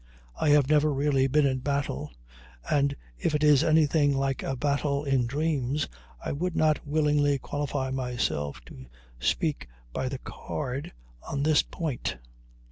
I have never really been in battle, and if it is anything like a battle in dreams I would not willingly qualify myself to speak by the card on this point.